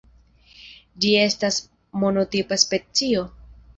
Ĝi estas monotipa specio.